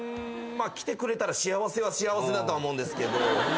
来てくれたら幸せは幸せだとは思うんですけど。